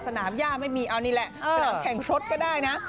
สนามย่าไม่มีเอานี่แหละสนามแข่งรถก็ได้นะ